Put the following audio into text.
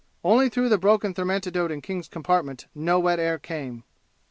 Only through the broken thermantidote in King's compartment no wet air came.